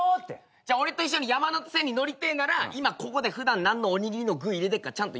じゃあ俺と一緒に山手線に乗りてえなら今ここで普段何のおにぎりの具入れてっかちゃんと言えよ。